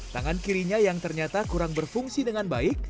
tangan kirinya yang ternyata kurang berfungsi dengan baik